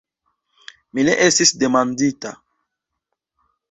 Mi ne estis demandita.